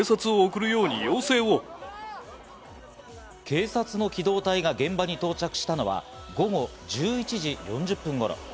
警察の機動隊が現場に到着したのは午後１１時４０分頃。